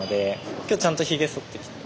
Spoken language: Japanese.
今日ちゃんとひげそってきて。